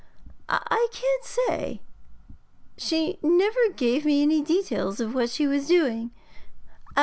'I can't say. She never gave me any details of what she was doing.